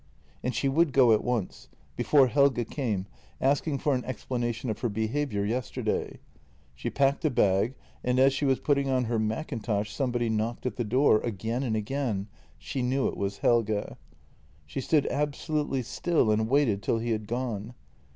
And she would go at once — before Helge came, asking for an explanation of her behaviour yesterday. She packed a bag, and as she was putting on her mackintosh somebody knocked at the door — again and again — she knew it was Helge. She stood absolutely still and waited till he had gone.